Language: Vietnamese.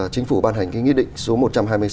chính phủ ban hành cái nghị định số một trăm hai mươi sáu